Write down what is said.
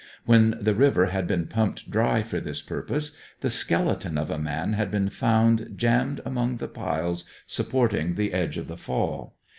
When the river had been pumped dry for this purpose, the skeleton of a man had been found jammed among the piles supporting the edge of the fall.